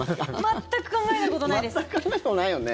全く考えたことないよね。